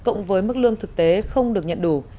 cộng với mức lương thực tế không được nhận đủ